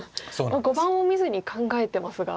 もう碁盤を見ずに考えてますが。